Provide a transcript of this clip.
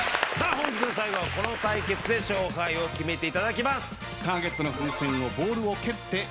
本日最後はこの対決で勝敗を決めていただきます。